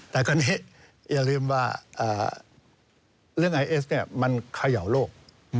แต่คราวนี้อย่าลืมว่าเรื่องไอเอสมันเขย่าโลก